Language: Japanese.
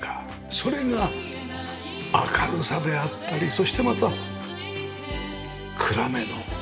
それが明るさであったりそしてまた暗めの個室。